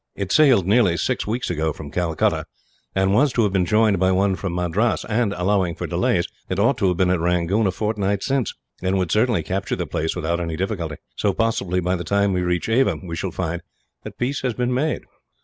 It sailed nearly six weeks ago from Calcutta, and was to have been joined by one from Madras and, allowing for delays, it ought to have been at Rangoon a fortnight since, and would certainly capture the place without any difficulty. So possibly by the time we reach Ava we shall find that peace has been made.